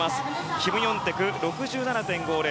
キム・ヨンテク、６７．５０。